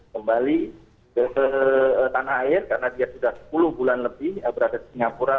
kembali ke tanah air karena dia sudah sepuluh bulan lebih berada di singapura